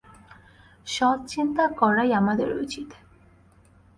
সৎ চিন্তা করাই আমাদের উচিত।